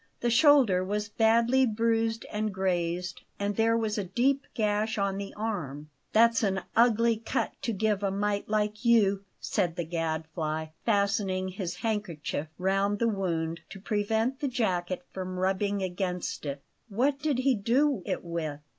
The shoulder was badly bruised and grazed, and there was a deep gash on the arm. "That's an ugly cut to give a mite like you," said the Gadfly, fastening his handkerchief round the wound to prevent the jacket from rubbing against it. "What did he do it with?"